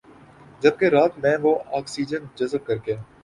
جبکہ رات میں وہ آکسیجن جذب کرکے